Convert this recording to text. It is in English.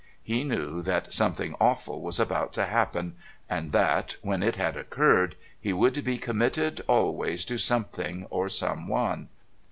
He knew that something awful was about to happen and that, when it had occurred, he would be committed always to something or someone...